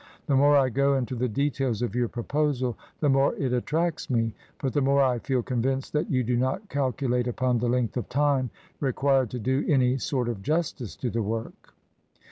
The more I go into the details of your proposal, the more it attracts me, but the more I feel convinced that you do not calculate upon the length of time required to do any sort of justice to the work.